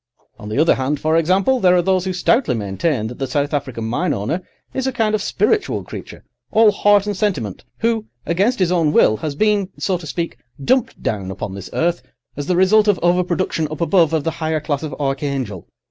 On the other hand, for example, there are those who stoutly maintain that the South African mine owner is a kind of spiritual creature, all heart and sentiment, who, against his own will, has been, so to speak, dumped down upon this earth as the result of over production up above of the higher class of archangel.